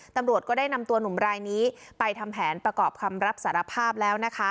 ตำรวจก็ได้นำตัวหนุ่มรายนี้ไปทำแผนประกอบคำรับสารภาพแล้วนะคะ